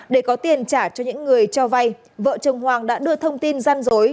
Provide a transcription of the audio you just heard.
để có tiền trả cho những người cho vay vợ chồng hoàng đã đưa thông tin gian dối